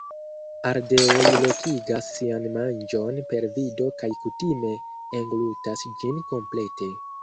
Ardeoj lokigas sian manĝon per vido kaj kutime englutas ĝin komplete.